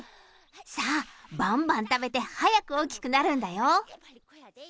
さあ、ばんばん食べて、早く大きくなるんだよ。